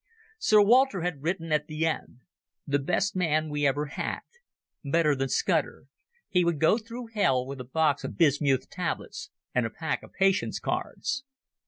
Sir Walter had written at the end: "The best man we ever had. Better than Scudder. He would go through hell with a box of bismuth tablets and a pack of Patience cards."